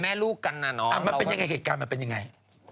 มันเป็นยังไงเหตุการณ์มันเป็นยังไง